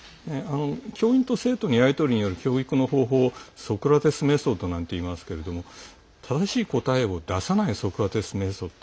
教員と生徒のやり取りによる教育の方法をソクラテス・メソッドなんていいますけど正しい答えを出さないソクラテス・メソッド。